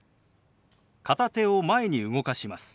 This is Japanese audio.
片手を前に動かします。